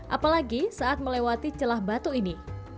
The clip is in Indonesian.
apalagi saat melewati celah batu ini